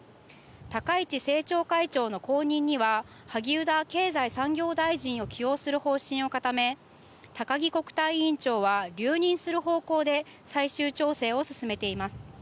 高市政調会長の後任には萩生田経済産業大臣を起用する方針を固め高木国対委員長は留任する方向で最終調整を進めています。